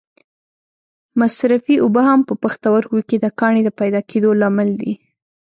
مصرفې اوبه هم په پښتورګو کې د کاڼې د پیدا کېدو لامل دي.